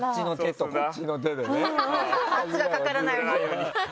圧がかからないように。